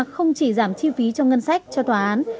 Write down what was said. không chỉ giảm chi phí cho ngân sách cho tòa án